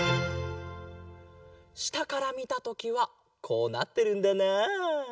したからみたときはこうなってるんだな。